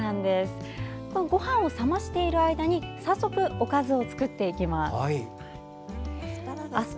ごはんを冷ましている間に早速、おかずを作っていきます。